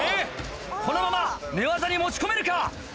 このまま寝技に持ち込めるか？